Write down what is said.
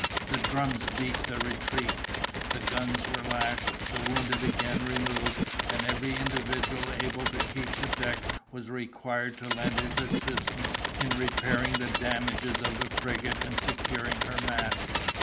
The drums beat the retreat, the guns were lashed, the wounded again removed, and every individual able to keep the deck was required to lend his assistance in repairing the damages of the frigate and securing her masts.